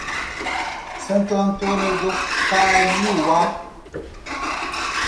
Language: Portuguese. Santo Antônio do Caiuá